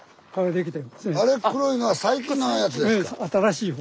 あれ黒いのは最近のやつですか？